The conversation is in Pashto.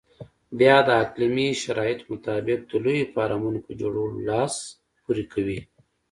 بیا د اقلیمي شرایطو مطابق د لویو فارمونو په جوړولو لاس پورې کوي.